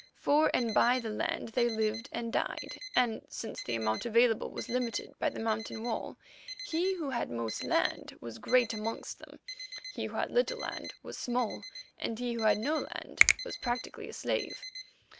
For and by the land they lived and died, and, since the amount available was limited by the mountain wall, he who had most land was great amongst them, he who had little land was small, he who had no land was practically a slave.